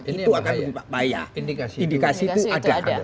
itu akan berlupa payah indikasi itu ada